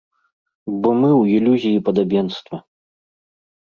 Бо мы ў ілюзіі падабенства.